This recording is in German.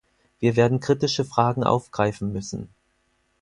Wir werden kritische Fragen aufgreifen müssen.